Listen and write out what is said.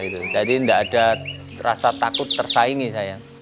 jadi tidak ada rasa takut tersaingi saya